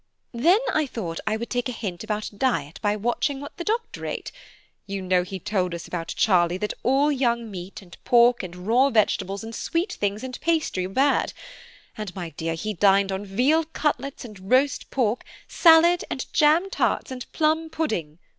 Then I thought I would take a hint about diet by watching what the doctor ate. You know he told us about Charlie that all young meat, and pork, and raw vegetables, and sweet things, and pastry were bad; and, my dear, he dined on veal cutlets and roast pork, salad, and jam tarts, and plum pudding.